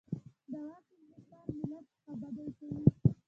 د واک انحصار ملت خوابدی کوي.